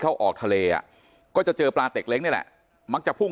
เข้าออกทะเลอ่ะก็จะเจอปลาเต็กเล้งนี่แหละมักจะพุ่ง